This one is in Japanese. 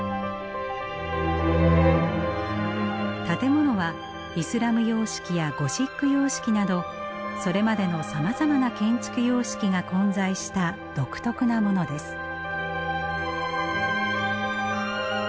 建物はイスラム様式やゴシック様式などそれまでのさまざまな建築様式が混在した独特なものです。